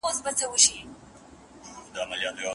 گنې! د کفر په نامه ماته مُلا وايي